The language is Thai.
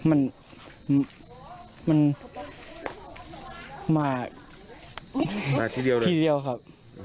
มันมาทีเดียวครับ